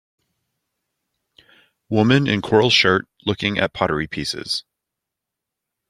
Woman in coral shirt looking at pottery pieces.